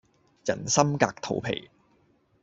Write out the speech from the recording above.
人心隔肚皮